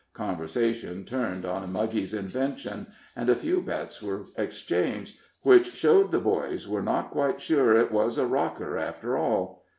Conversation turned on Muggy's invention, and a few bets were exchanged, which showed the boys were not quite sure it was a rocker, after all.